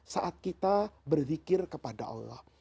saat kita berzikir kepada allah